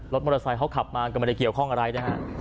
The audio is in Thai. มอเตอร์ไซค์เขาขับมาก็ไม่ได้เกี่ยวข้องอะไรนะฮะ